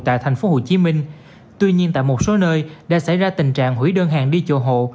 tại tp hcm tuy nhiên tại một số nơi đã xảy ra tình trạng hủy đơn hàng đi chùa hộ